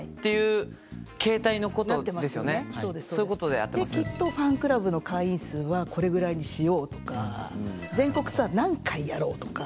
できっとファンクラブの会員数はこれぐらいにしようとか全国ツアー何回やろうとか。